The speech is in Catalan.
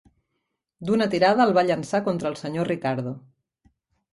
D'una tirada el va llançar contra el senyor Ricardo.